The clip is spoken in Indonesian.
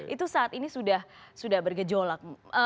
itu saat ini sudah bergejolak